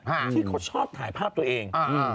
ที่เขาชอบถ่ายภาพตัวเอง